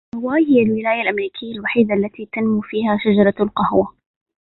هاواي هي الولاية الأمريكية الوحيدة التي تنمو فيها شجرة القهوة.